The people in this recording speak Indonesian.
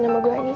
saya masih masih